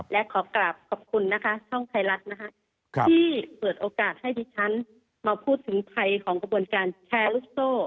และขอกลับขอบคุณนะคะช่องไทยรัฐนะคะที่เปิดโอกาสให้ดิฉันมาพูดถึงภัยของกระบวนการแชร์ลูกโซ่